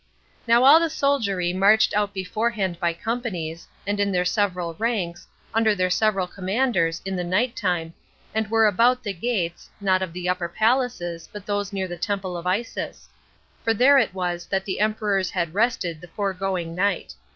Now all the soldiery marched out beforehand by companies, and in their several ranks, under their several commanders, in the night time, and were about the gates, not of the upper palaces, but those near the temple of Isis; for there it was that the emperors had rested the foregoing night.